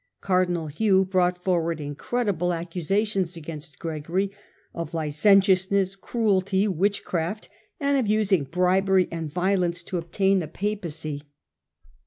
Cardinal Hugh brought forward incredible accusations against Gregory of licentiousness, cruelty, witchcraft, and of using bribery and violence to obtain the Papacy.